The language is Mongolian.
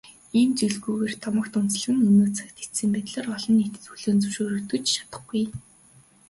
Ийм зүйлгүйгээр домогт үндэслэх нь өнөө цагт эцсийн байдлаар олон нийтэд хүлээн зөвшөөрөгдөж чадахгүй.